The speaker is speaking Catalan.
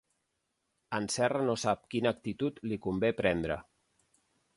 En Serra no sap quina actitud li convé prendre.